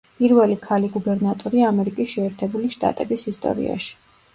პირველი ქალი გუბერნატორი ამერიკის შეერთებული შტატების ისტორიაში.